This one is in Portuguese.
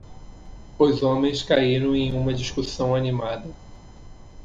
Os homens caíram em uma discussão animada.